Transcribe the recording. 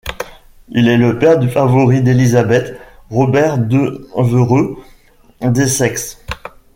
Il est le père du favori d'Élisabeth, Robert Devereux, d'Essex.